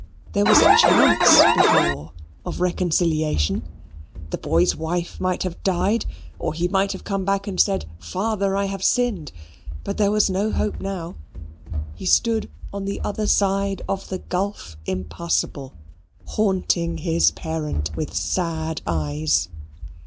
There was a chance before of reconciliation. The boy's wife might have died; or he might have come back and said, Father I have sinned. But there was no hope now. He stood on the other side of the gulf impassable, haunting his parent with sad eyes.